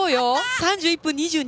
３１分２２。